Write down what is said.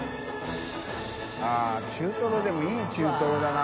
◆舛中トロでもいい中トロだな